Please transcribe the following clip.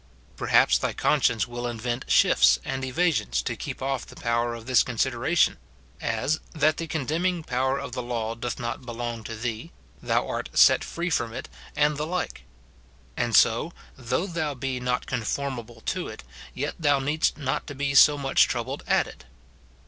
Perhaps thy conscience will invent shifts and evasions to keep oflf the power of this consideration ;— as, that the condemning power of the law doth not belong to thee, thou art set free from it, and the like ; and so, though thou be not conformable to it, yet thou needst not to be so much troubled at it.